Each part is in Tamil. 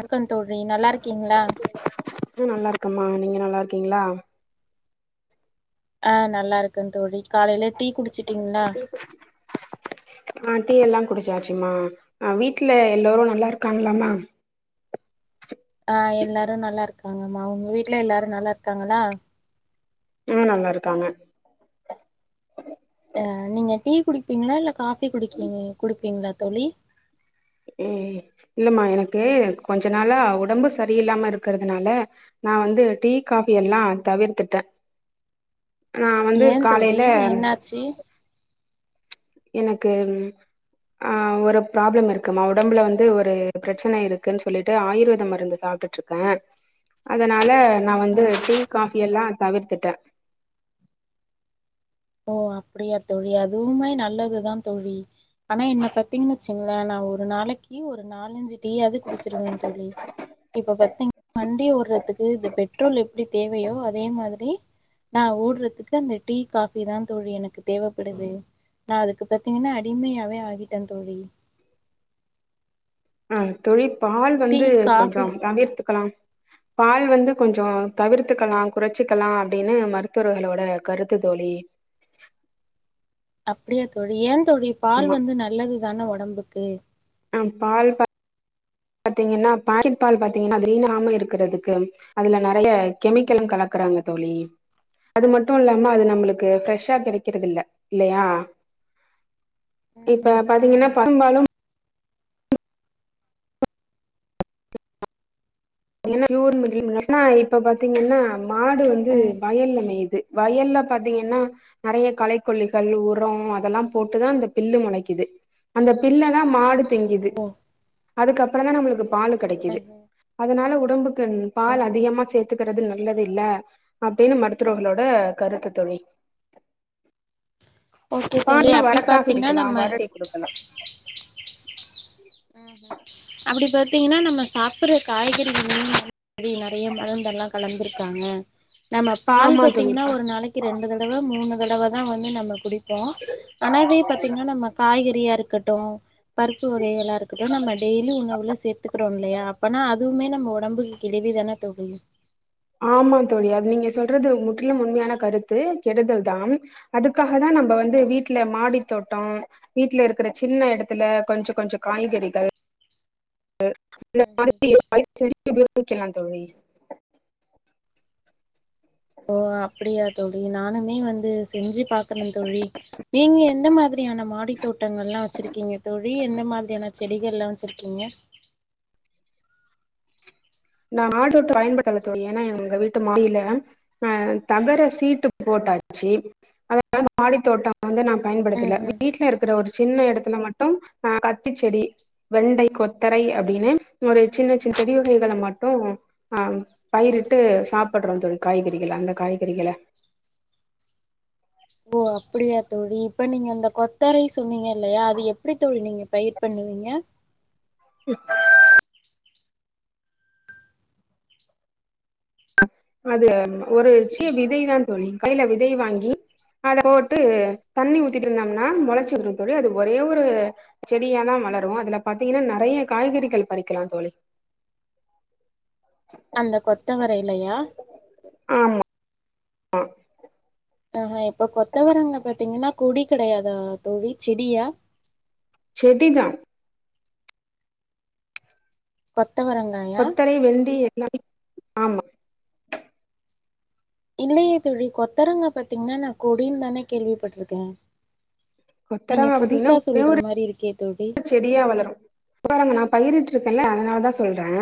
அக்கம் தோழி நல்லா இருக்கீங்களா இது நல்லா இருக்கம்மா நீங்க நல்லா இருக்கீங்களா ஆஹ் நல்லா இருக்கன் தோழி காலையிலேத் டீ குடிச்சிட்டிங்ளா ஆஹ் டீயில்லா குடிச்சாச்சுமா ஹா வீட்டுல எல்லோரு நல்லா இருக்காங்குளாம ஆஹா எல்லாரு நல்லாருக்காகமா உங்க வீட்டுல எல்லாரு நல்லாயிருக்காகுளா ம் நல்லா இருக்காங்க ஹா நீங்க டீ குடிப்பிங்களா இல்ல காஃப் டீ குடிக்கிளேங்க குடுப்பீங்குளா தோழி ஏ எ ஏமா எனக்கு கொஞ்ச நாளா ஒடம்பு செரியில்லமா இருக்குறதுனால நா வந்து டீ காஃப்பியில்லா தவிர்த்துட்டே நா வந்து ஏன் தோழி காலையில என்னாச்சு எனக்கு ம் ஹா ஒரு ப்ராபளம் இருக்குமா உடம்புல வந்து ஒரு பிரச்சினையிருக்குன் சொல்லிட்டு ஆயுர்வேத மருந்து சாப்புட்டு இருக்க அந் அதனால நா வந்து ம்ஹும் டீ காஃபியில்லா தவிர்த்துட்டே ஓ அப்டியா தோழி அதுவுமே நல்லதுதா தோழி அனா என்ன பத்திங்குன்ன சின்னான ஒரு நாளைக்கி ஒரு நாலஞ்சு டீயாது குடிச்சுருவே தோழி இப்ப பாத்தீங் வண்டி ஓறதுக்கு இது பெட்ரோல் எப்டி தேவையோ அதே மாரி நா ஓடுறதுக்கு அந்த டீ காஃப் ப்பிதா தோழி எனக்கு தேவப்படுது நா அதுக்கு பாத்திங்குன்னா அடிமையாவே ஆகிட்டே தோழி ஆஹ் தோழித் பால் டீ வந்து கொஞ்ச காஃபி தவிர்த்துக்கெல்லாம் பால் வந்து கொஞ்ஞோ தவிர்த்துக்குளா குறைச்சிக்கிலாம் அப்டின்னு மருத்துவர்களோட கருத்து தோழி அப்டியா தொழி ஏ தோழி பால் வந்து நல்லது தான ஒடம்புக் கே அஹாம் பால் பாத்திங்கன்னா பாயிட் பால் பாத்திங்கன்னா [unintelligible] இருக்குறதுக்கு அதுல நெறைய கெமிக்கலு கலக்குறாங்க தோழி அது மட்டு இல்லாம அது நம்ளுக் க்கு ப்ரெஷ்ஷா கெடைக்கிறதுல்ல இல்லயா ம் இப்ப ம் ம் பாத்தீங்கன்னா ம் பசும்பாலும் [unintelligible] இப்ப பாத்திங்கன்னா மாடு வந்து ம் வயல்ல மெய்யிது வயல்ல பாத்திங்கன்னா நெறைய களை கொல்லிகள் உரொ அதெல்லா போட்டுதா அந்த பில்லு மொளைக்கிது அந்த பில்லதா மாடு திங்கிது ஓ அதுக்கப்ற தா நம்மளுக்கு பாலு கெடைக்குது ம் ம் னால உடம்புக்கு ம் பால் அதிகமா சேத்துக்கிறது நல்ல தில்ல அப்டின்னு மருத்துவர்களோட கருத்து தோழி ஓகே தோழி பால்ல அப்டி பாத்தீங்கன்னா வரக்காஃபியிடிக்கலா நம்ம வர டீ குடுக்கலா [inaudible] அப்டி பாத்தீங்கனா நம்ம சாப்புற காய்கறிகள் [unintelligible] அப்டி நெறைய மருந்தெல்லா கலந்துருக்காங்க நம்ம பால் ஆமா தோழி பாத்தீங்கனா ஒரு நாளக்கி ரெண்டு தடவ மூணு தட அததா வந்து நம்ம குடி ப்ரோ ஆனா இதே பாத்திங்கன்னா நம்ம காய்கறியா இருக்கட்டு பருப்பு வகைகளா இருக்கட்டு நம்ம டெய்லி உணவுல சேத்துக்குரோம் இல்லையா அப்பனா அதுவுமே நம் ம்ம ஒடம்புக்கு கெடுதி தானெ தோழி ஆமா தோழி அது நீங்க சொல்றது முற்றிலும் உண்மையான கருத்து கெடுதல் தா அதுக்காக தா நம்ப வந்து வீட்ல மாடி தோட்டம் வீட்ல இருக்கிற சின்ன எடத்துல கொஞ்ச கொஞ்ச காய்கறிகள் [unintelligible] இதுல்லா வக்கிலா தோழி ஓ அப்புடியா தோழி நானுமே வந்து செஞ்சு பாக்கணு தோழி நீங்க எந்த மாதிரியான மாடி தோட்டங்கள்லா வச்சிருக்கீங்க தோழி எந்த மாதிரியான செடிகள்லாம வச்சிருக்கீங்க நா மாடிதோட்டம் பயன்படுத்தல தோழி ஏன்னா எங்க வீட்டு மாடில அ தகர சீட்டு போட்டாச்சு அதா மாடித்தோட்டம் வந்து நா ம் பயன்படுத்தல வீட்ல இருக்கிற ஒரு சின்ன எடத்துல மட் டும் கத்திரிச்செடி வெண்டை கொத்தரை அப்டின்னு ஒரு சின்ன ம் சின்ன செடி வகைகள மட் டும் ஆ பயிரிட்டு சாப்புட்றோ தோழி காய்கறிகள் அந்த காய்கறிகள ஓ அப்புடியா தோழி இப்ப நீங்க அந்த கொத்தரை சொன்னீங்க இல்லையா அது எப்டி தோழி நீங்க பயிர் பண்ணுவீங்க [unintelligible] அது ஒருச்சிய விதை தா தோழி கைல விதை வாங்கி அத போட்டு தண்ணி ம்ஹ்ம். ஊத்திட்ருந்தம்னா மொளச் சு வரு தோழி அது ஒரே ஒரு செடியா தா வளரு அதுல பாத்தீங்கனா நெறைய காய்கறிகள் பறிக்கலா தோழி அந்த கொத்தவரைலையா ஆமா ஆஹ் ஆஹ்ஹா இப்ப கொத்தவரங்க பாத்தீங்கன்னா கொடி கெடையாத தோழி செடியா செடி தான் பத் கொத்தரை வெண்டி ஆமா இல்லையே தோழி கொத்தரங்க பாத்தீங்கன்னா நான் கொடினு தானே கேள்விப்பட்ருக்கேன் கொத்தரங்கா பாத்தீங்கன்னா ஒரு இருக்கே தோழி. செடியா வளரும் கொத்தரங்கா நான் பயிரிட்டுருக்கேன்ல அதனால தான் ம்ஹ்ம். சொல்றேன்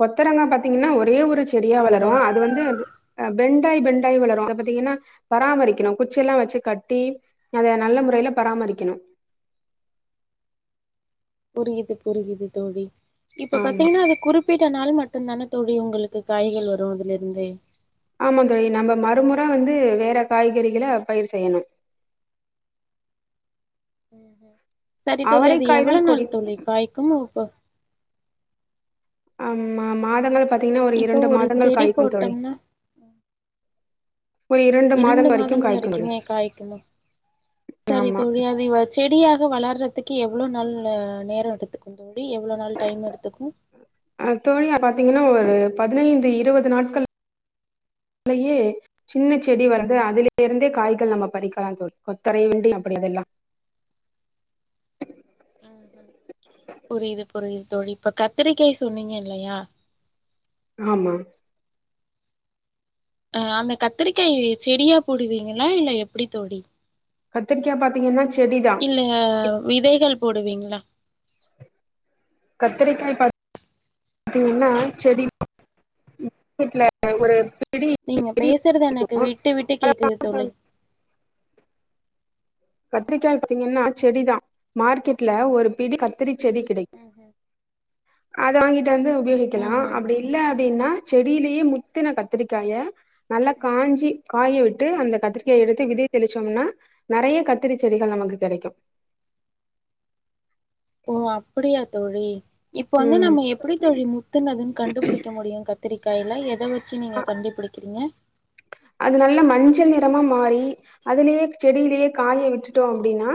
கொத்தரங்கா பாத்தீங்கன்னா ஒரே ஒரு செடியா ஓஹோ! வளரும் அது வந்து வெண் பென்டாயி பென்டாயி வளரும் அத பாத்தீங்கன்னா பராமரிக்கணும் குச்சல்லா வச்சு கட்டி அத நல்ல முறையில பராமரிக்கணும் புரியுது புரியுது தோழி இப்ப ஆமா பாத்தீங்கன்னா அது குறிப்பிட்ட நாள் மட்டும் தான தோழி உங்களுக்கு காய்கள் வரும் அதுல இருந்தே ஆமா தோழி நம்ம மறுமுற வந்து வேற காய்கறிகள பயிர் செய்யணும் உம் உம் சரி தோழி அது அவரைக்காய் தா எவ்ளவு கொடி நாள் தோழி காய்க்கும் இப்ப ஆம்மா மாதங்கள் பாத் இப்போ ஒரு செடி போட்டோம்னா ஒரு இரண்டு மாதம் வரைக்கு மாதங்கள் காய்க்கு தோழி வரைக்குமே காய்க்கணும் சரி ஆமா தோழி அது இவ செடியாக வளர்றதுக்கு எவ்ளவு நல்ல நேரம் எடுத்துக்கும் தோழி எவ்ளோ நாள் டைம் எடுத்துக்கு அஹ் தோழியா பாத்தீங்கன்னா ஒரு பதினந்து இருபது நாட்கள் லேயே சின்ன செடி வளர்ந்து அதலேஇருந்தே காய்கள் நம்ம பறிக்கலாம் தோழி கொத்தரை வெண்டி அப்டில்லாம் புரியுது புரியுது தோழி இப்ப கத்திரிக்காய் சொன்னீங்க இல்லயா ஆமா ஆஹ் அந்த கத்திரிக்காய செடியா போடுவீங்களா இல்ல எப்டி தோழி கத்திரிக்கா பாத்தீங்கன்னா சின்ன இல்ல விதைகள் போடுவீங்க ளா கத்திரிக்காய் பாத் தீங்கன்னா செடி வீட்ல ஒரு பிடி நீங்க செடி பேசுறது எனக்கு இருக்கு விட்டுவிட்டு கேக்குது தோழி கத்திரிக்காய் பத்தீங்கன்னா செடிதான் மார்க்கெட்ல ஒரு பிடி கத்திரி செடி கிடைக்கு உம் அத வாங்கி வந்து உபயோகிக்கலாம் அப்டி இல்ல அப்டின்னா செடியிலேயே முத்தன கத்திரிக்காய நல்லா காஞ்சி காய வெச் விட்டு அந்த கத்திரிகாய எடுத்து விதை தெளிச்சோம்னா நறைய கத் திரி செடிகள் நமக்கு கிடைக்கு ஓ அப்டியா தோழி இப்ப வந்து ம் நம்ம எப்டி தோழி முத்துனதுன் கண்டுபிடிக்க முடியு கத்திரி கைல எத வச் சி நீங்க கண்டுபிடிக்கிறீங்க அது நல்ல மஞ்சள் நிறமா மாறி அதுலேயே செடியிலேயே காய விட்டுட்டோ அப்டின்னா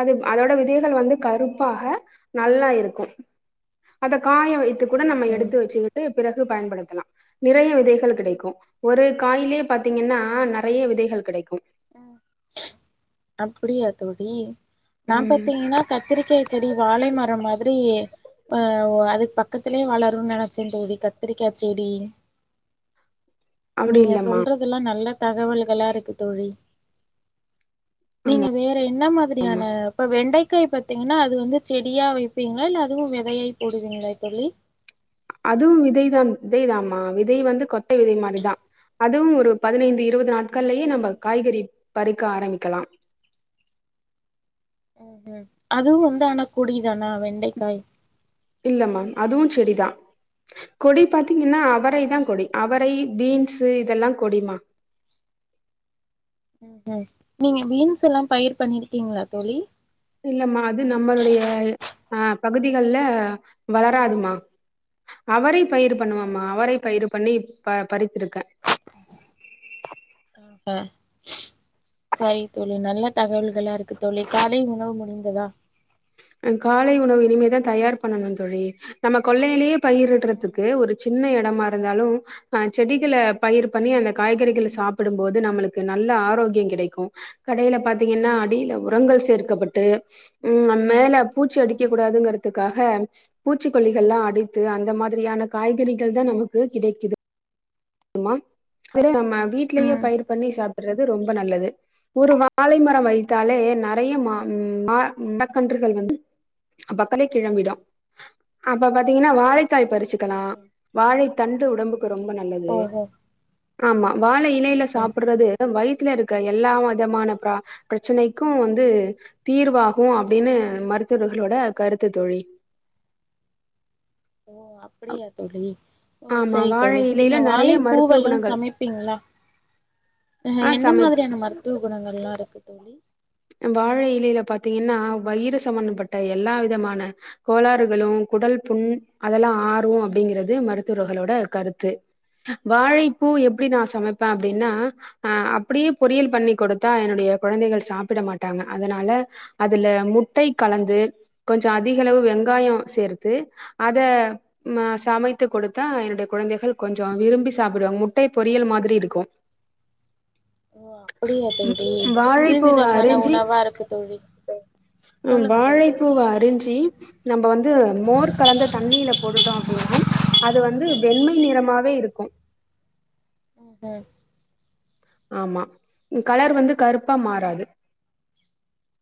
அது அதோட விதையு [unintelligible] வந்து கருப்பாக நல்லா இருக்கு அத காய வைத்து கூட நம்ம ம் எடுத்து வச்சிக்கிட்டு பிற கு பயன்படுத்தலா நிறைய விதைகள் கிடைக்கோ ஒரு காயிலே பாத்தீங்கன்னா நெறைய விதைகள் கெடைக்கும் உம் அப்டியா தோழி நா ம் பாத்தீங்கனா கத்திரிக்கா செடி வாலை மரம் மாதிரி ஆஹ் அதுக் பக்கத்திலே வளரு நெனச்சே தோழி கத்திரிக்கா செடி அப்டி நீங்க இல்லமா சொல்றதெல்லா நல்லா தகவல்களா இருக்கு தோழி நீங்க ஆமா வேற என்ன மாதிரியான இப்ப வெண்டை க்காய் பாத்தீங்கனா அது வந்து செடியா வைப்பீங்களா இல்ல அதுவு விதையாயி போடுவீங்கள தோலி அதுவு விதை தான் விதை தாமா விதை வந்து கொட்டை விதை மாரி தா அதுவு ஒரு பதினைந்து இருவது நாட் கல்லியே நம்ப ம்ஹும் காய்கறிப் பறிக்க ஆரம்பிக்கலா ம் அதுவு வந்து ஆனா கொடிதானா வெண்டைக்காய் இல்லமா அதுவு செடிதா கொடி பாத்தீங்னா அவரை தா கொடி ம்ஹும் அவரை பீன்ஸு இதெல்லா கொடிமா உம் உ நீங்க பீன்ஸுல்லா பயிர் பண்ணிர்க்கீங்ளா தோலி இல்லமா அது நம்மளுடைய அஹ் பகுதிகள்ல வளராதுமா அவரை பயிரு பண்ணுவமா அவரை பயிரு பண்ணி ப பறித் இருக்க ஹ் சரி தோலி நல்ல தகவல்களா இருக்கு தோலி காலை உணவு முடிந்ததா காலை உணவு இனிமேதா தயார் பண்ணணு தோழி நம்ம கொள்ளையிளேயே பயிர்யிட்றதுக்கு ஒரு சின்ன இடமா இருந்தாளோ அஹ் செடிகள பயிர் பண்ணி அந்த காய்கறிகள சாப்பிடும் போது நம்ளுக்கு நல்ல ஆரோக்கிய கிடைக்கோ கடையில பாத்தீங்கன்னா அடியில உரங்கள் சேர்க்கப்பட்டு உம் மேல பூச்சி அடிக்க கூடாதுங்கறதுக்காக பூச்சிக்கொல்லிகள்லா அடித்து அந்த மாதிரியான காய்கறிகள் தா நமக்கு கிடைக்குது ம்மா ஒரு வீட்லயே ம் பயிர் பண்ணி சாப்பிற்றது ரொம்ப நல்லது ஒரு வாழை மரம் வைத்தாலே ந நெறைய மா மா மரக்கன்றுகள் வந்து பக்கல கிழம்பிடு அப்ப பாத்தீங்கனா வாழை வாழைக்காய் பறிச்சுக்கலா வாழை தண்டு உடம்புக்கு ரொம்ப நல் நல்லது ஓஹோ ஆமா வாழை இலைல சாப்பிட்றது வயிதுல இருக்க எல்லா விதமான பிரா பிரச்சனைக்கு வந்து தீர்வாகு அப்டினு மருத்துவர்களோட கருத்து தோழி ஓ அப்டியா தோழி ஓ ஆமா சரி வாழை தோழி இலையில நீங்க நெறைய வாழை மருத்துவ பூவெல்லா குணங்கள் சமைப்பீங்ளே அஹ் ஆ என்ன சமைப் மாரியான மருத்துவ குணங்கள்லா இருக்கு தோழி [inaudible] வாழை இலையில பாத்தீங்கனா வயிறு சம்பந்தப்பட்ட எல்லா விதமான கோளாறுகளு குடல்புண் அதெலா ஆறு அப்டிங்கிறது மருத்துவர்களோட கருத்து வாழைப்பூ எப்டி நா சமைப்பே அப்டினா அஹ் அப்டியே பொறியல் பண்ணி் கொடுத்தா என்னுடைய குழந்தைகள் சாப் சாப்பிட மாட்டாங்க அதனால அதுல முட்டை கலந்து கொஞ்ச அதிக அளவு வெங்காய சேர்த்து அத ஆ சமைத் த்து கொடுத்தா என்னுடைய குழந்தைகள் கொஞ்சம் விரும்பி சாப்பிடுவாங்க முட்டை பொரியல் மாதிரி இருக்கும் ஓ அப்படியா தோழி புதுவிதமான இஞ்சி சொல்லுங்க தோழி வாழைப்பூவை அருஞ்சி நம்ம வந்து மோர் கலந்த தண்ணீல போட்டுட்டோம் அப்படின்னா அது வந்து வெண்மை நிறமாவே இருக்கும் உம் ஆமா கலர் வந்து கருப்பா மாறாது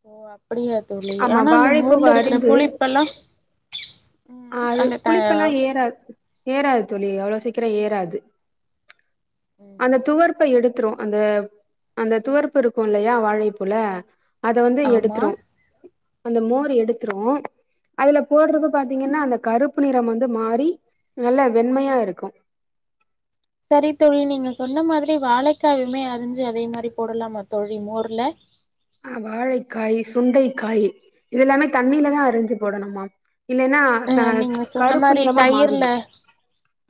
ஓ அப்படியா தோழி ஆமா ஆனா அந்த வாழைப்பூவ மோர்ல இருக்கிற அரிந்து புளிப்பெல்லாம் உம் ஆ, அது அந்த புளிப்பெல்லா ஏறாது ஏறாது தோழி அவ்ளோ சீக்கிரம் ஏறாது அந்த துவர்ப்பை எடுத்து த்துரு அந்த துவரப்பு இருக்கும் இல்லையா வாழைபூல அத வந்து ஆமா எடுத்துரும் அந்த மோர் எடுத்துரு அதுல போடுறது பாத்தீங்கன்னா அந்த கருப்பு நிறம் வந்து மாறி நல்ல வெண்மையா ம் இருக்கும் சரி தோழி நீங்க சொன்ன மாதிரி வாழைக்காயுமே அறிஞ்சு அதே மாதிரி போடலாமா தோழி மோர்ல ஆஹ் வாழைக்காய் சுண்டைக்காய் இது எல்லாமே தண்ணியில தான் அறிஞ்சு போடணும்மா அஹ் நீங்க சொன்ன மாதிரி நிறமா தயிர்ல மாறிடு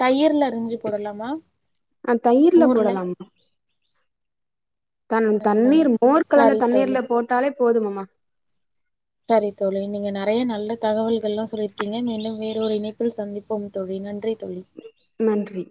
தயிர்ல அரிஞ்சு போடலாமா தயிர்ல மோர்ல போடலாமா தன் தண்ணீர் மோர் கலந்த சரி தோழி தண்ணீர்ல போட்டாலே போதுமம்மா சரி தோழி நீங்க நிறைய நல்ல தகவல்கலெல்லாம் சொல்லியிருக்கீங்க மீண்டும் வேறொரு ஒரு இணைப்பில் சந்திப்போம் தோழி நன்றி தோழி நன்றி